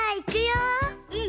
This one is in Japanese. うん。